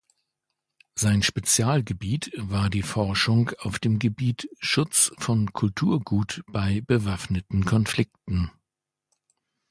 Sein Spezialgebiet war die Forschung auf dem Gebiet Schutz von Kulturgut bei bewaffneten Konflikten.